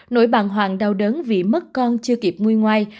nỗi bằng hoàng đau đớn vì mất con chưa kịp nguy ngoai